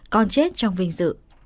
con chết trong vinh dự